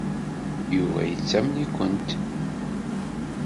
Yuba yettamen-ikent.